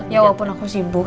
ya wapun aku sibuk